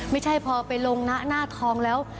ไม่ใช่พอไปลงหน้าทองแล้ว